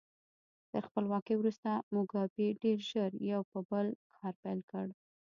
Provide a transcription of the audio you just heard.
تر خپلواکۍ وروسته موګابي ډېر ژر یو په یو کار پیل کړ.